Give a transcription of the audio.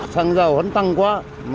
xăng dầu hẳn tăng quá